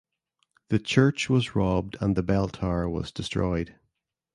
The church was robbed and the bell tower was destroyed.